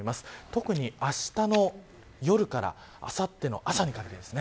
特に、あしたの夜からあさっての朝にかけてです。